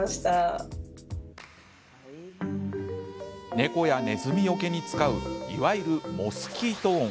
猫や、ねずみよけに使ういわゆるモスキート音。